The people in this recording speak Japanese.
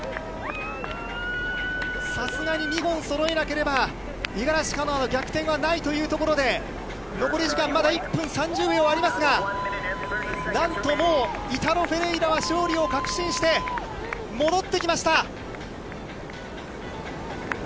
さすがに２本そろえなければ、五十嵐カノアの逆転はないというところで、残り時間まだ１分３０秒ありますが、なんともう、イタロ・フェレイラは勝利を確信して、戻ってきました。